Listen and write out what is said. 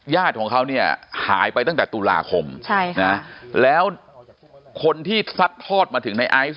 ญาติของเขาเนี่ยหายไปตั้งแต่ตุลาคมแล้วคนที่ซัดทอดมาถึงในไอซ์